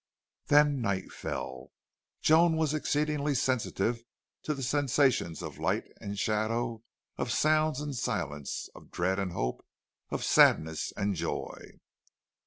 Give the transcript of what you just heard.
Then night fell. Joan was exceedingly sensitive to the sensations of light and shadow, of sound and silence, of dread and hope, of sadness and joy.